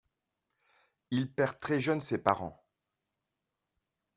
Il perd très jeune ses parents.